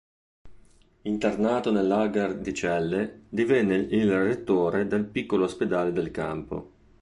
Internato nel lager di Celle, divenne il rettore del piccolo ospedale del campo.